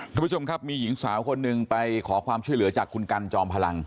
ทุกผู้ชมครับมีหญิงสาวคนหนึ่งไปขอความช่วยเหลือจากคุณกันจอมพลัง